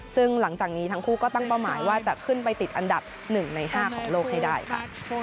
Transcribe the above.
ซึ่งหลังจากนี้ทั้งคู่ก็ตั้งเป้าหมายว่าจะขึ้นไปติดอันดับ๑ใน๕ของโลกให้ได้ค่ะ